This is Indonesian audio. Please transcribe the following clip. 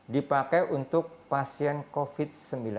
dipakai untuk pasien covid sembilan belas